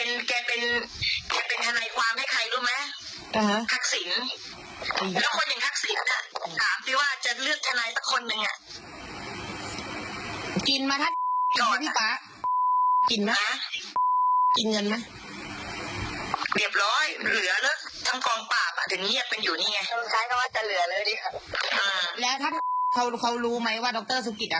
แล้วท่านเขารู้ไหมว่าดรสุกิตอ่ะ